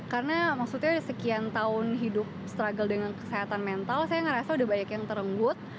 karena maksudnya sekian tahun hidup struggle dengan kesehatan mental saya ngerasa udah banyak yang terenggut